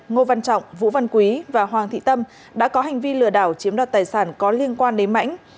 ngô văn trọng vũ văn quý và hoàng thị tâm đã có hành vi lừa đảo chiếm đoạt tài sản có liên quan đến mãnh